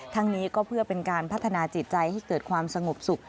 ทั้งนี้ก็เพื่อเป็นการพัฒนาจิตใจให้เกิดความสงบสุข